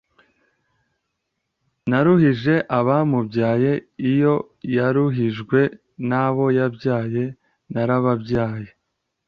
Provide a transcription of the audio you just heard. yaruhije abamubyaye iyo yaruhijwe n'abo yabyaye. narababyaye